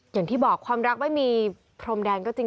อย่างที่บอกความรักไม่มีพรมแดนก็จริง